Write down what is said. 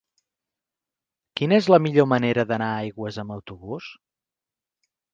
Quina és la millor manera d'anar a Aigües amb autobús?